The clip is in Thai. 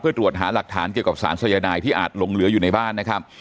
เพื่อตรวจหาหลักฐานเกี่ยวกับสารสายนายที่อาจหลงเหลืออยู่ในบ้านนะครับ